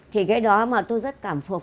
thì cái đó mà tôi rất thích